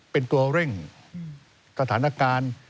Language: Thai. เป็นตัวเร่งสถานการณ์